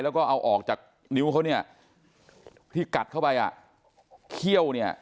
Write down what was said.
แล้วก็เอาออกจากนิ้วเขาเนี่ยที่กัดเข้าไปอ่ะเขี้ยวเนี่ย